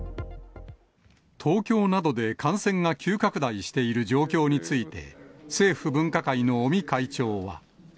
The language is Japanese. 東京などで感染が急拡大している状況について、政府分科会の尾身会長は。